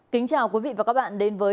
kính chào quý vị và các bạn đến với